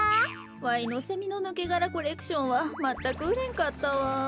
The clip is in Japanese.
わいのセミのぬけがらコレクションはまったくうれんかったわ。